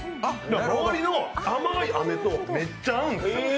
周りの甘いあめとめっちゃ合うんです。